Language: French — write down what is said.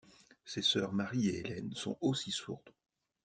Ses sœurs Mary et Ellen sont aussi sourdes.